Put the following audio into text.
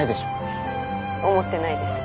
思ってないです。